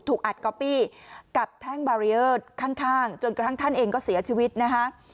อัดก๊อปปี้กับแท่งบารีเออร์ข้างจนกระทั่งท่านเองก็เสียชีวิตนะคะ